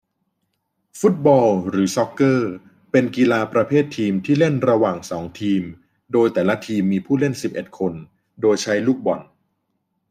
ฟุตบอล หรือ ซอกเกอร์ เป็นกีฬาประเภททีมที่เล่นระหว่างสองทีมโดยแต่ละทีมมีผู้เล่นสิบเอ็ดคน โดยใช้ลูกบอล